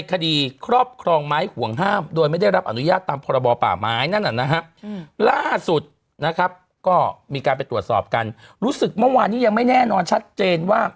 ก็มีการไปตรวจสอบกันรู้สึกเมื่อวานนี้ยังไม่แน่นอนชัดเจนว่า